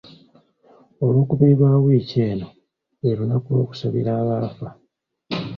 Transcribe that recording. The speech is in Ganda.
Olwokubiri lwa wiiki eno lwe lunaku olw’okusabira abaafa.